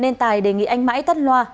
nên tài đề nghị anh mãi tắt loa